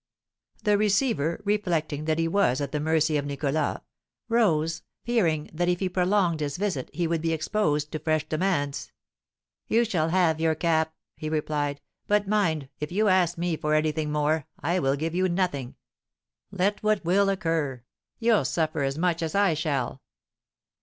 The receiver, reflecting that he was at the mercy of Nicholas, rose, fearing that if he prolonged his visit he would be exposed to fresh demands. "You shall have your cap," he replied; "but mind, if you ask me for anything more, I will give you nothing, let what will occur, you'll suffer as much as I shall."